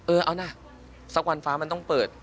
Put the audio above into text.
เออเอานะสักวันฟ้ามันต้องเปิด